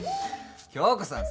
京子さん